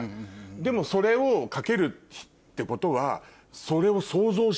でもそれを書けるってことは。じゃない。